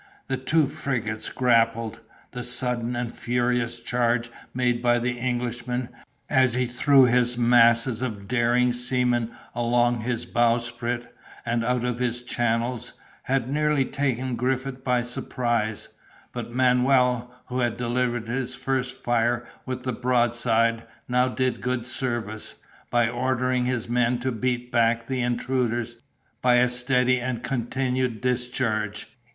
The two frigates grappled. The sudden and furious charge made by the Englishman, as he threw his masses of daring seamen along his bowsprit, and out of his channels, had nearly taken Griffith by surprise; but Manual, who had delivered his first fire with the broadside, now did good service, by ordering his men to beat back the intruders, by a steady and continued discharge.